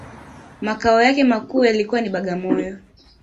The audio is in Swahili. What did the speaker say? Makao yake makuu yalikuwa ni Bagamoyo